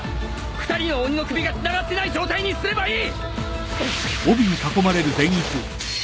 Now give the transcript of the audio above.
２人の鬼の首がつながってない状態にすればいい！